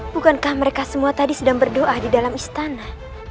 bukankah mereka semua tadi sedang berdoa di dalam istana